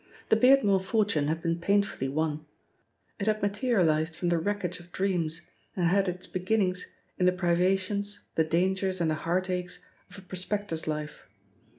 The Beardmore fortune had been painfully won. It had materialised from the wreckage of dreams and had its beginnings in the privations, the dangers and the heartaches of a prospector's life.